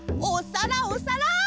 おさらおさら！